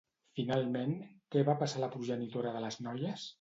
Finalment, què va passar a la progenitora de les noies?